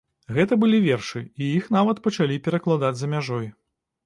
Гэта былі вершы, і іх нават пачалі перакладаць за мяжой.